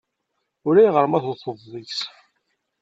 Ulayɣer ma tewteḍ-d deg-s.